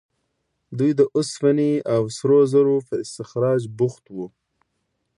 دوی د اوسپنې او سرو زرو په استخراج بوخت وو.